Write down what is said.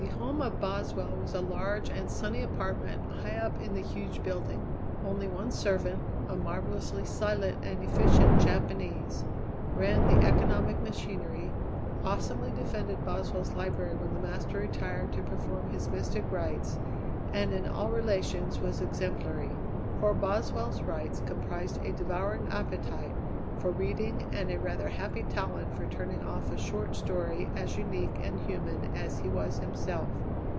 The home of Boswell was a large and sunny apartment high up in the huge building. Only one servant, a marvellously silent and efficient Japanese, ran the economic machinery, awesomely defended Boswell's library when the master retired to perform his mystic rites, and in all relations was exemplary. Poor Boswell's rites comprised a devouring appetite for reading and a rather happy talent for turning off a short story as unique and human as he was himself.